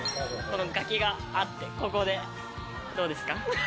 この崖があってここでどうですか？